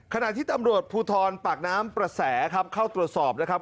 ขณะที่ตำรวจภูทรปากน้ำประแสครับเข้าตรวจสอบนะครับ